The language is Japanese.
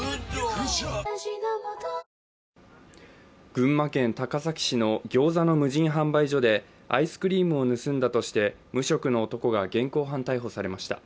群馬県高崎市のギョーザの無人販売所でアイスクリームを盗んだとして無職の男が現行犯逮捕されました。